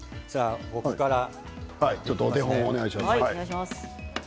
お手本をお願いします。